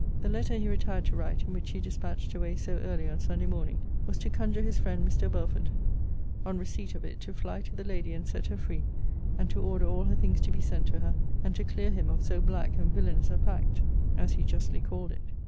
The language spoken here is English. The letter he retired to write, and which he dispatched away so early on Sunday morning, was to conjure his friend, Mr. Belford, on receipt of it, to fly to the lady, and set her free; and to order all her things to be sent to her; and to clear him of so black and villanous a fact, as he justly called it.